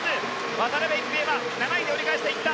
渡辺一平は７位で折り返していった。